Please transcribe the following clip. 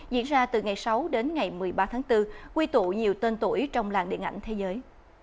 diễn ra từ ngày sáu đến ngày một mươi ba tháng bốn quy tụ nhiều tên tuổi trong làng điện ảnh thế giới